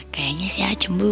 kayaknya si a cemburu nih